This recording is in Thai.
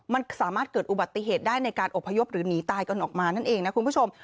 มันสามารถเกิดอุบัติเหตุได้ในการอบพยพหรือหนีตายกันออกมานั่นเองนะคุณผู้ชม